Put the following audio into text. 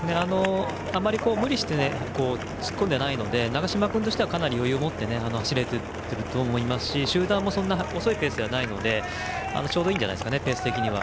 あまり無理して突っ込んでいないので長嶋君としてはかなり余裕を持って走れていると思いますし集団も、そんなに遅いペースではないのでちょうどいいんじゃないですかね。